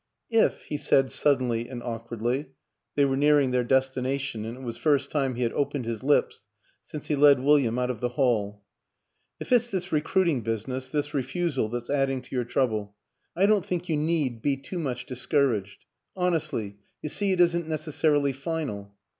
"If," he said suddenly and awkwardly they were near ing their destination and it was the first time he had opened his lips since he led William out of the hall " if it's this recruiting business, this refusal, that's adding to your trouble, I don't think you need be too much discouraged. Honestly you see it isn't necessarily final.